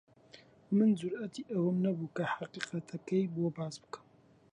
من جورئەتی ئەوەم نەبوو کە حەقیقەتەکەی بۆ باس بکەم.